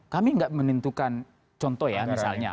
kami nggak menentukan contoh ya misalnya